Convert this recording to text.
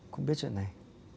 cũng biết chuyện này